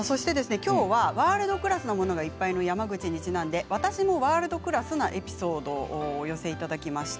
きょうはワールドクラスのものがいっぱいの山口にちなんで私のワールドクラスのエピソードをお寄せいただきました。